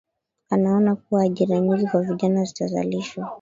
Anaona kuwa ajira nyingi kwa vijana zitazalishwa